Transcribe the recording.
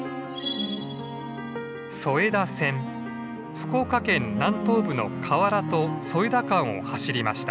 福岡県南東部の香春と添田間を走りました。